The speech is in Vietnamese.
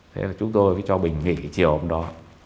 thế là chúng tôi mới cho bình nghỉ chiều hôm đó